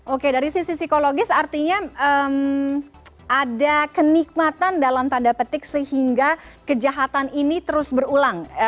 oke dari sisi psikologis artinya ada kenikmatan dalam tanda petik sehingga kejahatan ini terus berulang